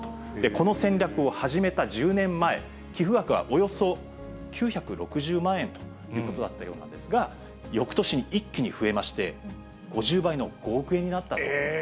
この戦略を始めた１０年前、寄付額はおよそ９６０万円ということだったようなんですが、よくとしに一気に増えまして、５０倍の５億円になったと。